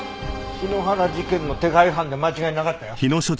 篠原事件の手配犯で間違いなかったよ。